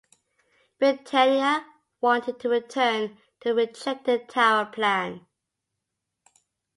Britannia wanted to return to the rejected tower plan.